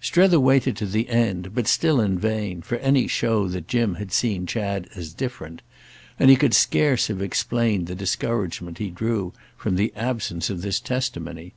Strether waited to the end, but still in vain, for any show that Jim had seen Chad as different; and he could scarce have explained the discouragement he drew from the absence of this testimony.